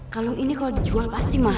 kalau ini kalau dijual pasti mahal